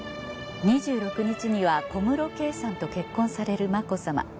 ２６日には小室圭さんと結婚される子さま。